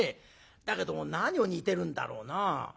だけども何を煮てるんだろうな。